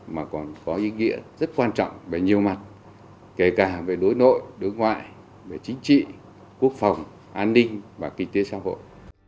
mà còn có ý nghĩa rất quan trọng về nhiều mặt kể cả về đối nội đối ngoại về chính trị quốc phòng an ninh và kinh tế xã hội